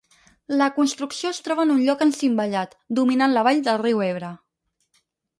La construcció es troba en un lloc encimbellat, dominant la vall del riu Ebre.